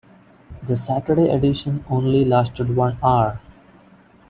The Saturday edition only lasted one hour.